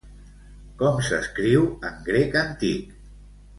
Com s'escriu en grec antic?